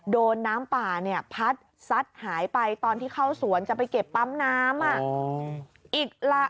โดนน้ำป่าเนี่ยพัดซัดหายไปตอนที่เข้าสวนจะไปเก็บปั๊มน้ำ